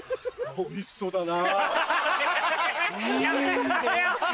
おいしそうだな。